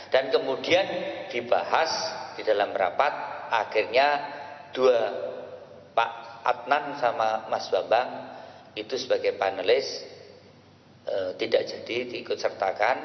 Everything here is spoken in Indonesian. dan kemudian dibahas di dalam rapat akhirnya dua pak adnan sama mas bambang itu sebagai panelis tidak jadi diikut sertakan